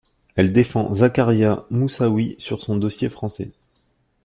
Elle défend Zacarias Moussaoui sur son dossier français.